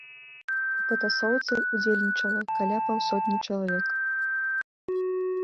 У патасоўцы ўдзельнічала каля паўсотні чалавек.